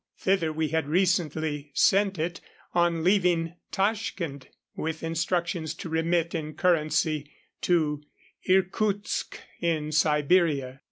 Thither we had recently sent it on leaving Tashkend, with instructions to remit in currency to Irkutsk, Siberia.